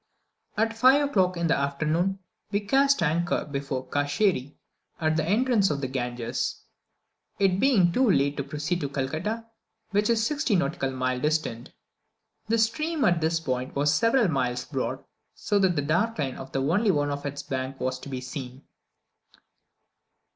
At 5 o'clock in the afternoon, we cast anchor before Kadscheri, at the entrance of the Ganges, it being too late to proceed to Calcutta, which is sixty nautical miles distant. The stream at this point was several miles broad, so that the dark line of only one of its banks was to be seen.